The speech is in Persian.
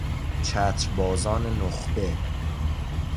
چتر بازان نخبه